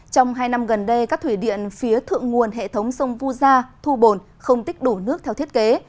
trong hai năm gần đây các thủy điện phía thượng nguồn hệ thống sông vu gia thu bồn không tích đủ nước theo thiết kế